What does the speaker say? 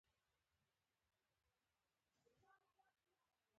د هوا د سا ه ږغونه مې